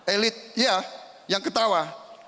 elit ya yang ketawa